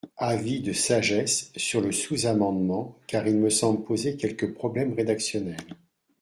Avis de sagesse sur le sous-amendement car il me semble poser quelques problèmes rédactionnels.